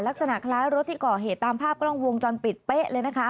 ลักษณะคล้ายรถที่ก่อเหตุตามภาพกล้องวงจรปิดเป๊ะเลยนะคะ